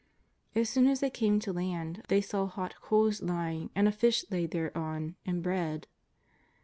As soon as they came to land, they saw hot coals lying, and a fish laid thereon, and bread.